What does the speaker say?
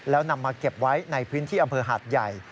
แล้วนำมาเก็บไว้ในพื้นที่อำเภอหาดใหญ่